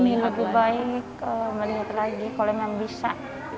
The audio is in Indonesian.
ini lebih baik melihat lagi kalau memang bisa